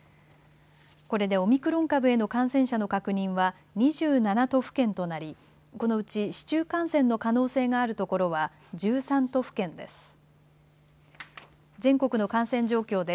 これでオミクロン株への感染者の確認は２７都府県となりこのうち市中感染の可能性がある所は１３都府県です。